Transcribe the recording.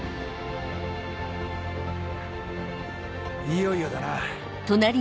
いよいよだな。